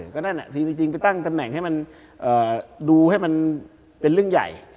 ก็นั่นคือจริงไปตั้งตำแหน่งให้มันดูให้มันเป็นเรื่องใหญ่